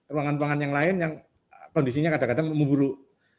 ruangan ruangan yang lain yang kondisinya kadang kadang memburuk